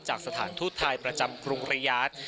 จากสถานทุทธ์ไทยประจำกรุงริยาศ